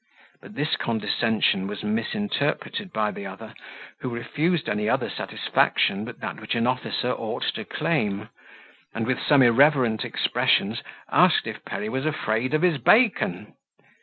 But this condescension was misinterpreted by the other, who refused any other satisfaction but that which an officer ought to claim; and, with some irreverent expressions, asked if Perry was afraid of his bacon?